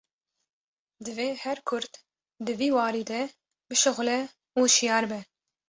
Divê her Kurd di vî warî de bişixule û şiyar be